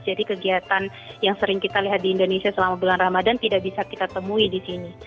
kegiatan yang sering kita lihat di indonesia selama bulan ramadan tidak bisa kita temui di sini